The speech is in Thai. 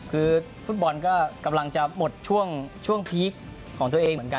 คือฟุตบอลก็กำลังจะหมดช่วงพีคของตัวเองเหมือนกัน